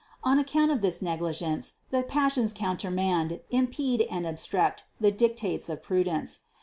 On account of this negligence the passions countermand, impede, and obstruct the dictates of prudence.